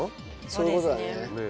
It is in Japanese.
そういう事だね。